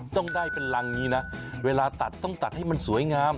ต้องได้เป็นรังนี้นะเวลาตัดต้องตัดให้มันสวยงาม